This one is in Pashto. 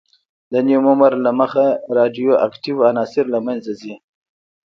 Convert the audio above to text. د نیم عمر له مخې رادیواکتیو عناصر له منځه ځي.